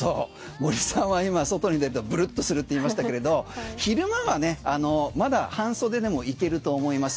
森さんは今、外に出てぶるっとすると言いましたけれど昼間はまだ半袖でもいけると思います。